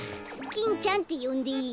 キンちゃんってよんでいい？